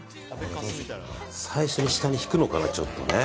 最初に下に敷くのかなちょっとね。